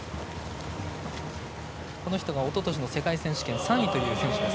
この人がおととしの世界選手権３位という選手。